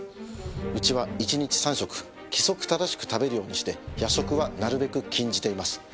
うちは一日３食規則正しく食べるようにして夜食はなるべく禁じています。